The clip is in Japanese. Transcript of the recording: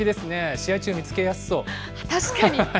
試合中、見つけやすそう。